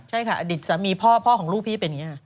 ใช่ค่ะอดีตสามีพ่อพ่อของลูกพี่เป็นอย่างนี้ค่ะ